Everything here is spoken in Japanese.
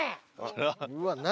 うわっ何？